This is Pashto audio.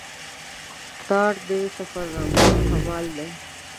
تارړ د سفرنامو کمال دا دی.